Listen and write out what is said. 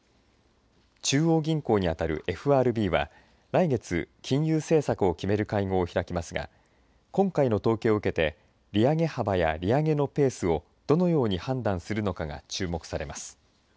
中央銀行に当たるＦＲＢは来月、金融政策を決める会合を開きますが今回の統計を受けて利上げ幅や利上げのペースをどのように判断するかが注目されます。